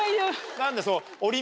何だその。